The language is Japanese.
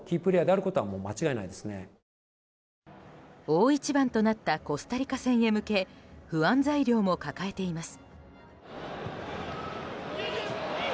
大一番となったコスタリカ戦へ向け不安材料も抱えています。